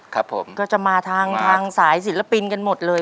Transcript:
ครับผมก็จะมาทางทางสายศิลปินกันหมดเลย